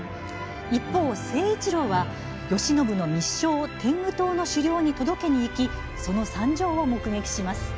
一方、成一郎は、慶喜の密書を天狗党の首領に届けに行きその惨状を目撃します。